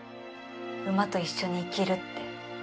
馬と一緒に生きるって。